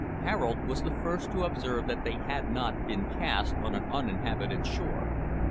Harold was the first to observe that they had not been cast on an uninhabited shore.